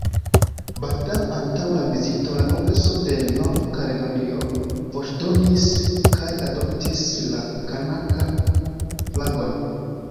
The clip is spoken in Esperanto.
Baldaŭ antaŭ la vizito, la Kongreso de Nov-Kaledonio voĉdonis kaj adoptis la Kanak-flagon.